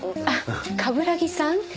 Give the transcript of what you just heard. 冠城さん？